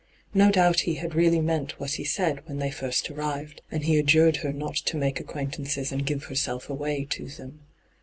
No doubt he had really meant what he said when they first arrived, and he adjured her not to make acquaintances and 'give herself away' to them.